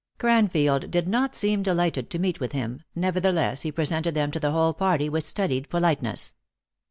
Cranfield did not seem de lighted to meet with him, nevertheless he presented them to the whole party with studied politeness.